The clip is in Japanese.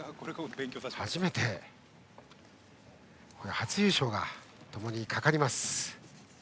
初優勝がともにかかります。